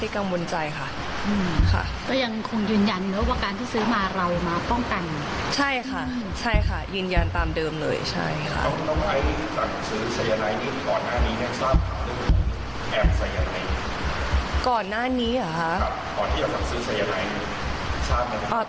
ก่อนหน้านี้ยังไม่ได้ทราบค่ะแต่ว่าตอนที่วันนั้นน่ะทราบ